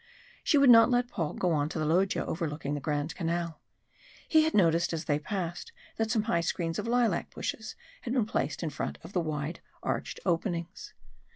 She would not let Paul go on to the loggia overlooking the Grand Canal. He had noticed as they passed that some high screens of lilac bushes had been placed in front of the wide arched openings.